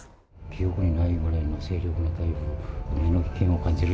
記憶にないくらいの勢力の台風。